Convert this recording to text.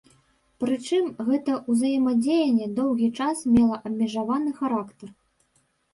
Прычым, гэта ўзаемадзеянне доўгі час мела абмежаваны характар.